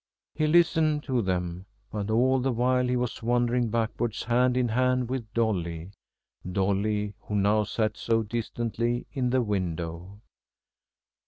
He listened to them, but all the while he was wandering backwards hand in hand with Dolly Dolly who now sat so distantly in the window.